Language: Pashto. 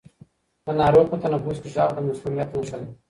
د ناروغ په تنفس کې غږ د مسمومیت نښه ده.